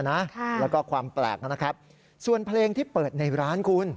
แล้วก็ความแปลกนะครับส่วนเพลงที่เปิดในร้านคุณ